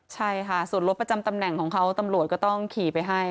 ใช่ค่ะส่วนรถประจำตำแหน่งของเขาตำรวจก็ต้องขี่ไปให้